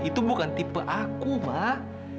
itu bukan tipe aku mah